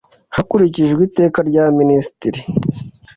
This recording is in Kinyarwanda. hakurikijwe iteka rya minisitiri